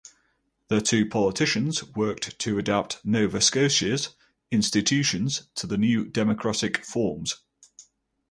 The two politicians worked to adapt Nova Scotia's institutions to the new democratic forms.